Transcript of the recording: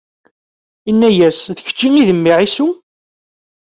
Inna-yas: D kečč i d mmi Ɛisu?